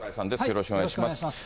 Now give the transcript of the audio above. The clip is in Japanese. よろしくお願いします。